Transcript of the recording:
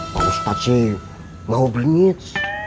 pak ustadz sih mau belit